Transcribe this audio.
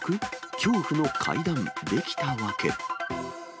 恐怖の階段出来た訳。